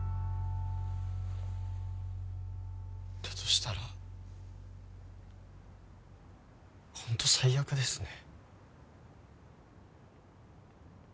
だとしたらホント最悪ですね。